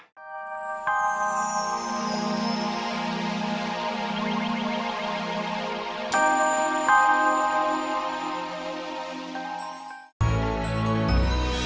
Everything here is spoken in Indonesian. kamu nggak ke kantor kan